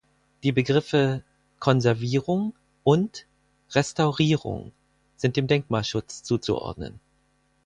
Die Begriffe "Konservierung" und "Restaurierung" sind dem Denkmalschutz zuzuordnen.